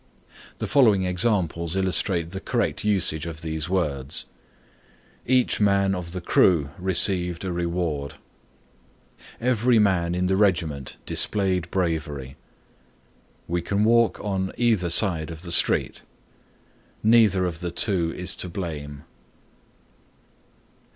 The following examples illustrate the correct usage of these words: Each man of the crew received a reward. Every man in the regiment displayed bravery. We can walk on either side of the street. Neither of the two is to blame.